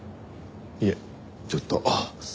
いえちょっと。